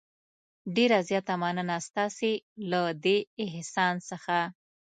ډېره زیاته مننه ستاسې له دې احسان څخه.